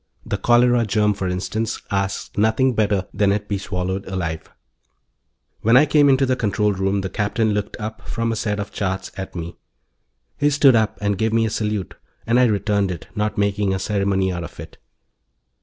The cholera germ, for instance, asks nothing better than that it be swallowed alive...._ Illustrated by Douglas When I came into the control room the Captain looked up from a set of charts at me. He stood up and gave me a salute and I returned it, not making a ceremony out of it.